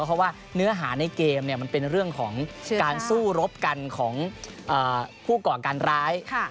เพราะว่าเนื้อหาในเกมมันเป็นเรื่องของการสู้รบกันของผู้ก่อการร้าย